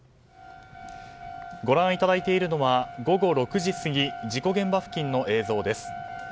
ご覧いただいているのは午後６時過ぎ事故現場付近の映像です。